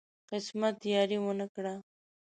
قسمت یاري ونه کړه.